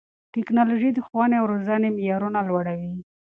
ټیکنالوژي د ښوونې او روزنې معیارونه لوړوي.